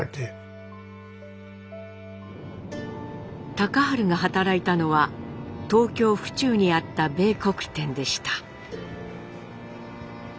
隆治が働いたのは東京府中にあった米穀店でした。